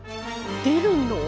出るの？